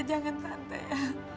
jangan tante ya